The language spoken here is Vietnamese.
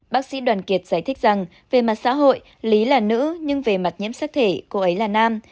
bác sĩ đoàn kiệt giải thích rằng về mặt xã hội lý là nữ nhưng về mặt nhiễm sắc thể cô ấy là nam